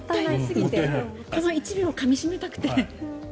この１秒をかみしめたくて。